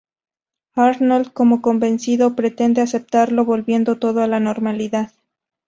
Arnold, poco convencido, pretende aceptarlo volviendo todo a la normalidad.